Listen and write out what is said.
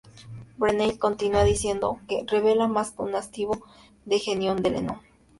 Blaney continúa diciendo que "revela más que un atisbo de genio de Lennon".